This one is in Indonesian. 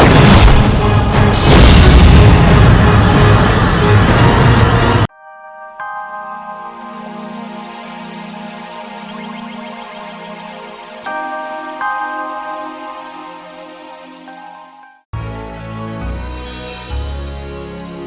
aku akan membuatmu penyakit